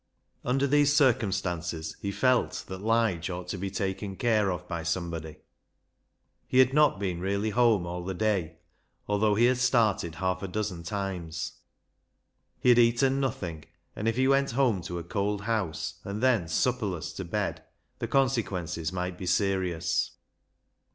Under these circumstances he felt that Lige ought to be taken care of by somebody. He had not been really home all the day, although he had started half a dozen times. He had eaten nothing, and if he went home to a cold house, and then supperless to bed, the con sequences might be serious.